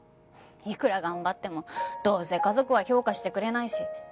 いくら頑張ってもどうせ家族は評価してくれないし。